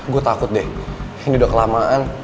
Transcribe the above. gue takut deh ini udah kelamaan